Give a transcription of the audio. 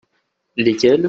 Lesquels ?